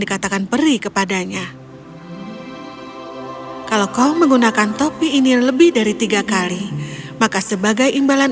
dikatakan peri kepadanya kalau kau menggunakan topi ini lebih dari tiga kali maka sebagai imbalan